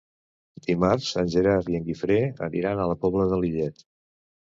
Dimarts en Gerard i en Guifré aniran a la Pobla de Lillet.